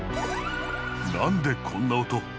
なんでこんな音？